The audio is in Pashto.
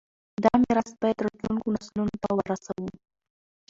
دا میراث باید راتلونکو نسلونو ته ورسوو.